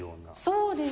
そうですね。